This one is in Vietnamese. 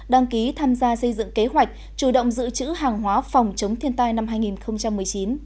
đăng ký tham gia xây dựng kế hoạch chủ động giữ chữ hàng hóa phòng chống thiên tai năm hai nghìn một mươi chín